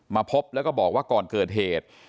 มาพบแล้วก็บอกว่าก่อนเกิดเหตุ